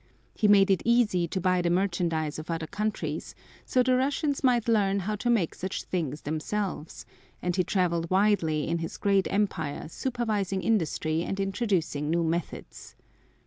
He made it easy to buy the merchandise of other countries, so the Russians might learn how to make such things themselves, and he traveled widely in his great Empire supervising industry and introducing new methods.